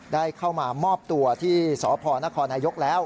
ได้เข้ามามอบตัวที่สพนครนายกแล้ว